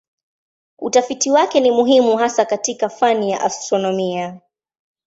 Utafiti wake ni muhimu hasa katika fani ya astronomia.